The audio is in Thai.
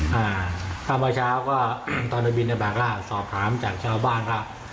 พระอาจารย์มาเช้าก็ตอนโดยบิญญาบาลก็สอบถามจากชาวบ้านครับ